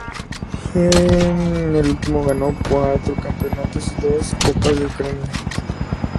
En el último ganó cuatro campeonatos y dos Copas de Ucrania.